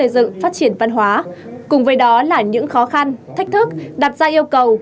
dựng phát triển văn hóa cùng với đó là những khó khăn thách thức đặt ra yêu cầu